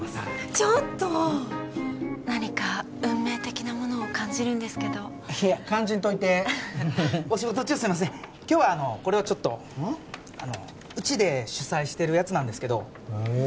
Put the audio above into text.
ちょっと何か運命的なものを感じるんですけどいや感じんといてお仕事中すいません今日はこれをちょっとうちで主催してるやつなんですけどへえ